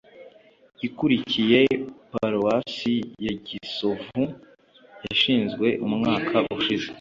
ikurikiye paroisse ya gisovu yashinzwe umwaka ushize